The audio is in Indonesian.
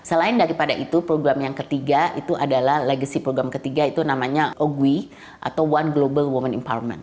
selain daripada itu program yang ketiga itu adalah legacy program ketiga itu namanya ogui atau one global women empowerment